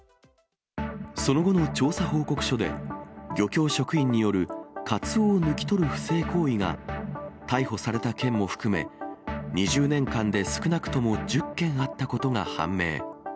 その後の調査報告書で、漁協職員によるカツオを抜き取る不正行為が逮捕された件も含め、２０年間で少なくとも１０件あったことが判明。